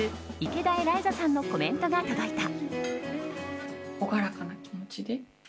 池田エライザさんのコメントが届いた。